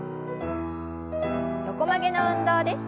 横曲げの運動です。